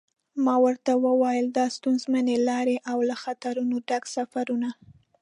ما ورته و ویل دا ستونزمنې لارې او له خطرونو ډک سفرونه.